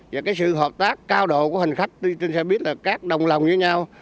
và cái sự hợp tác cao độ của hành khách đi trên xe buýt là các đồng lòng với nhau